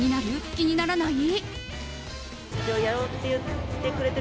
気にならない？